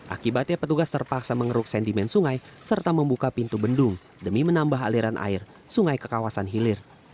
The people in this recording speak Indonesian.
akibatnya petugas terpaksa mengeruk sentimen sungai serta membuka pintu bendung demi menambah aliran air sungai ke kawasan hilir